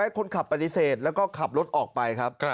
คนขับปฏิเสธแล้วก็ขับรถออกไปครับ